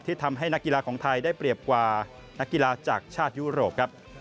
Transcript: ทำให้นักกีฬาของไทยได้เปรียบกว่านักกีฬาจากชาติยุโรปครับ